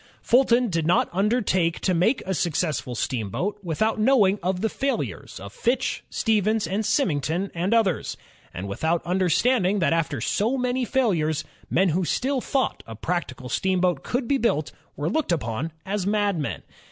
Fulton did not undertake to make a successful steamboat without knowing of the failures of Fitch, Stevens, Symington, and others; and without imderstanding that after so many failures, men who still thought a practical steamboat could be built were looked upon as madmen.